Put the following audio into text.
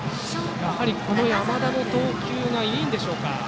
やはり山田の投球がいいんでしょうか。